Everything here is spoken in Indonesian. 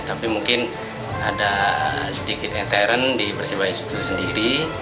tapi mungkin ada sedikit enteren di persebaya sendiri